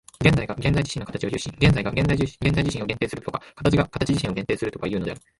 現在が現在自身の形を有し、現在が現在自身を限定するとか、形が形自身を限定するとかいうのである。